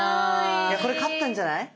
これ勝ったんじゃない？